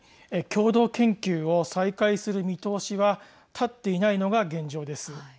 共同研究を再開する見通しは立っていないのが現状です。